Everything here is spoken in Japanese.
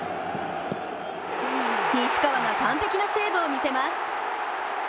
西川が完璧なセーブを見せます。